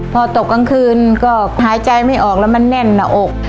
พอตกกลางคืนก็หายใจไม่ออกแล้วมันแน่นหน้าอก